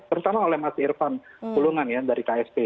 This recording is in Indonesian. terutama oleh mas irfan pulungan ya dari ksp